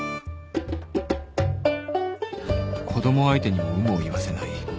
子供相手にも有無を言わせない